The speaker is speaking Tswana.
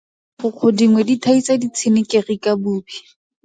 Digokgo dingwe di thaisa ditshenekegi ka bobi.